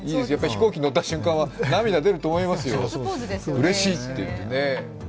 飛行機乗った瞬間は涙出ると思いますよ、うれしいって言ってね。